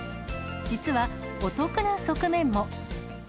実はお得な側面も。